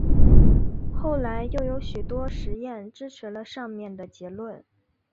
后来又有许多实验支持了上面的结论。